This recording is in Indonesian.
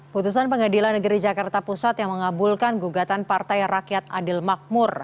putusan pengadilan negeri jakarta pusat yang mengabulkan gugatan partai rakyat adil makmur